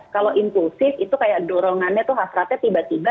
kalau inklusif itu kayak dorongannya tuh hasratnya tiba tiba